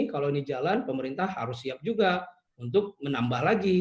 kalau ini jalan pemerintah harus siap juga untuk menambah lagi